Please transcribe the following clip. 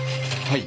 はい。